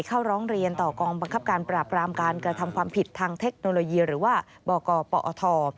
เข้าร้องเรียนต่อกองบังคับการปราบรามการกระทำความผิดทางเทคโนโลยีหรือว่าบกปอท